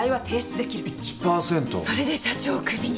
それで社長をクビに？